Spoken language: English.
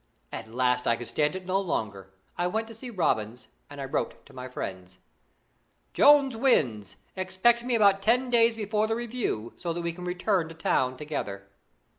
At last I could stand it no longer, I went to see Robins, and I wrote to my friends: "Jones wins! Expect me about ten days before the Review, so that we can return to town together.